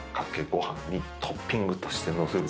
ごはんにトッピングとして載せる。